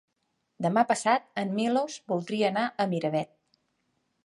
Demà passat en Milos voldria anar a Miravet.